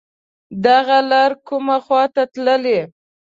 دغه لار کوم خواته تللی